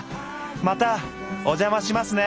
またお邪魔しますね！